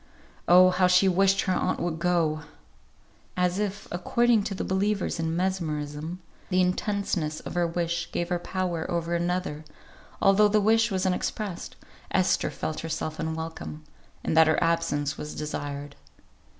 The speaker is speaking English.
Oh! how she wished her aunt would go. As if, according to the believers in mesmerism, the intenseness of her wish gave her power over another, although the wish was unexpressed, Esther felt herself unwelcome, and that her absence was desired.